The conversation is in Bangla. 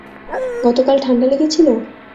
গতকাল ঠান্ডা লেগেছিলো?